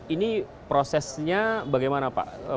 ini prosesnya bagaimana pak